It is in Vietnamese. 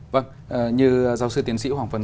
vâng như giáo sư tiến sĩ hoàng phần